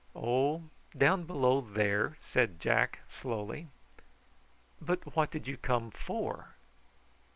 "Oh, down below there," said Jack slowly. "But what did you come for?"